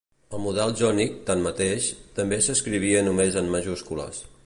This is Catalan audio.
El model jònic, tanmateix, també s'escrivia només en majúscules.